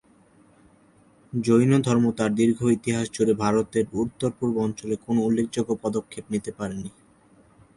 জৈন ধর্ম তার দীর্ঘ ইতিহাস জুড়ে ভারতের উত্তর-পূর্ব অঞ্চলে কোনও উল্লেখযোগ্য পদক্ষেপ নিতে পারেনি।